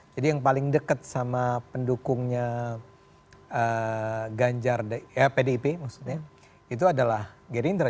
jadi yang paling dekat sama pendukungnya pdip itu adalah gerindra